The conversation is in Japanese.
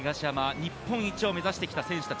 日本一を目指してきた選手たち。